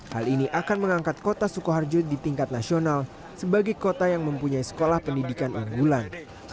hal ini akan mengangkat kota sukoharjo di tingkat nasional sebagai kota yang mempunyai sekolah pendidikan unggulan